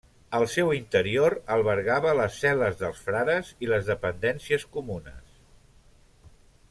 El seu interior albergava les cel·les dels frares i les dependències comunes.